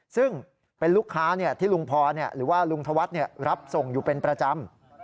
ซึ่งเป็นลูกค้าที่ลุงพรหรือว่าลุงธวัฒน์รับส่งอยู่เป็นประจำ